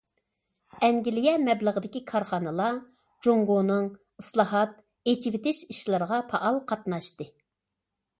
ئەنگلىيە مەبلىغىدىكى كارخانىلار جۇڭگونىڭ ئىسلاھات، ئېچىۋېتىش ئىشلىرىغا پائال قاتناشتى.